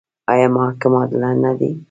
آیا محاکم عادلانه دي؟